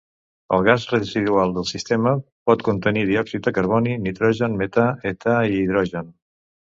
El gas residual del sistema pot contenir diòxid de carboni, nitrogen, metà, età i hidrogen.